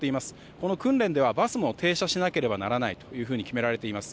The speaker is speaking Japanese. この訓練でバスも停車しなければならないと決められています。